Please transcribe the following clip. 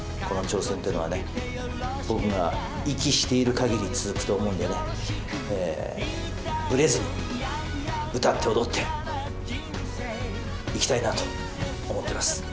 この挑戦っていうのはね、僕が息している限り続くと思うんでね、ブレずに歌って踊っていきたいなと思ってます。